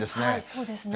そうですね。